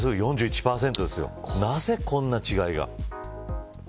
なぜこんな違いが。